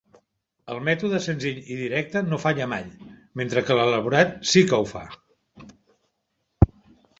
El mètode senzill i directe no falla mai, mentre que l'elaborat sí que ho fa.